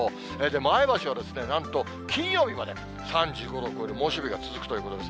前橋は、なんと金曜日まで３５度を超える猛暑日が続くということです。